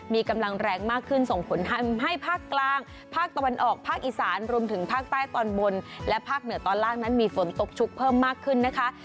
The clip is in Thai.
มีกำลังแรงมากขึ้นส่งผลทำให้ภาคกลางภาคตะวันออกภาคอีสานรวมถึงภาคใต้ตอนบนและภาคเหนือตอนล่างนั้นมีฝนตกชุกเพิ่มมากขึ้นนะคะ